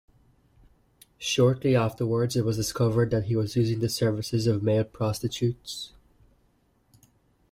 Shortly afterwards it was discovered that he was using the services of male prostitutes.